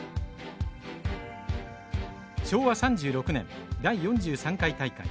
昭和３６年第４３回大会。